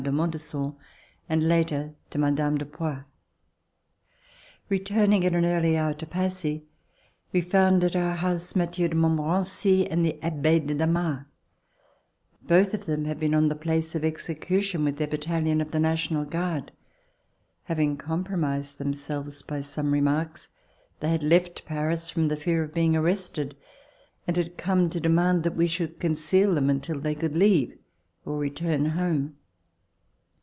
de Montes son, and later to Mme. de Poix. Returning at an early hour to Passy, we found at our house Mathieu de Montmorency and the Abbe de Damas. Both of them had been on the place of execution with their battalion of the National Guard. Having compromised themselves by some remarks, they had left Paris from the fear of being arrested and had come to demand that we should conceal them until they could leave or return home.